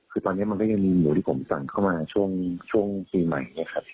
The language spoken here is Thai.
คือตอนนี้มันก็ยังมีหมูที่ผมสั่งเข้ามาช่วงปีใหม่เนี่ยครับ